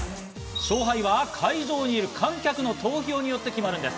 勝敗は会場にいる観客の投票によって決まるんです。